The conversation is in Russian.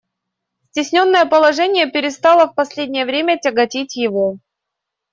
Cтесненное положение перестало в последнее время тяготить его.